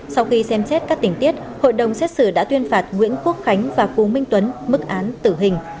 sau khi xem xét các tình tiết hội đồng xét xử đã tuyên phạt nguyễn quốc khánh và phù minh tuấn mức án tử hình